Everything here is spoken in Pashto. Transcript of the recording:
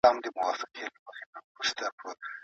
ایا له کینې او حسد څخه ډډه کول د ژوند د اوږدوالي راز دی؟